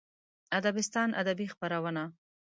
ادبستان ادبي خپرونه